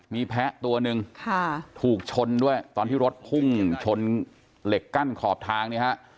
มีแพ้ตัวนึงถูกชนด้วยตอนที่รถหุ้มชนเหล็กกั้นขอบทาง